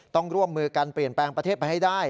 ต้องร่วมมือกันเปลี่ยนแปลงประเทศไปให้ได้